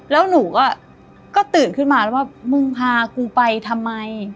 แล้วหนูก็ตื่นขึ้นมาแล้วว่ามึงพากูไปทำไม